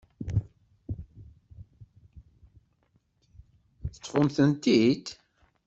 Teṭṭfeḍ-tent-id?